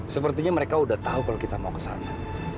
sepertinya mereka sudah tahu kalau kita mau ke sana